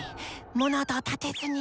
物音を立てずに！